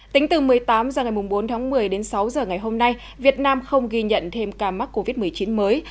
tính từ một mươi tám h ngày bốn tháng một mươi đến sáu h ngày hôm nay việt nam không ghi nhận thêm ca mắc covid một mươi chín mới